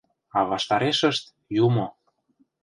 А ваштарешышт — юмо.